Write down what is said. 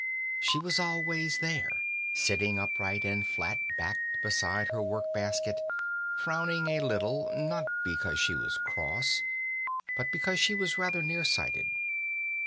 She was always there, sitting upright and flat backed beside her work basket, frowning a little, not because she was cross, but because she was rather near sighted.